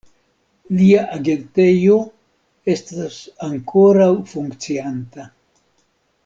Lia agentejo estas ankoraŭ funkcianta.